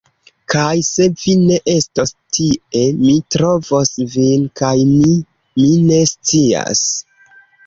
Kaj se vi ne estos tie, mi trovos vin kaj mi… mi ne scias.